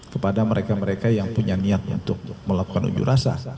kepada mereka mereka yang punya niatnya untuk melakukan unjuk rasa